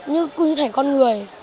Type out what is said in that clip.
như cung thể con người